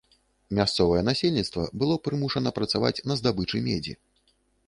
Мясцовае насельніцтва было прымушана працаваць на здабычы медзі.